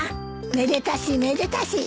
めでたしめでたし。